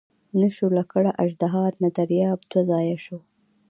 نه شوه لکړه اژدها نه دریاب دوه ځایه شو.